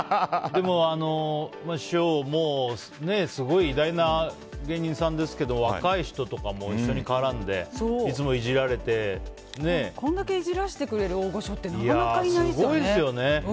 でも、師匠もう偉大な芸人さんですけど若い人とかも一緒に絡んでこんだけ、いじらせてくれる大御所ってなかなかいないですよね。